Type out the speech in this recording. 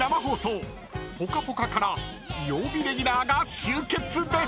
［『ぽかぽか』から曜日レギュラーが集結です！］